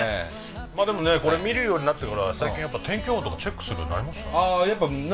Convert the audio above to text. まあでもねこれ見るようになってから最近やっぱ天気予報とかチェックするようになりましたね。